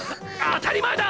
当たり前だ！